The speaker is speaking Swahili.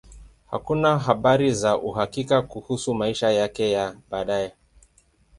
Hakuna habari za uhakika kuhusu maisha yake ya baadaye.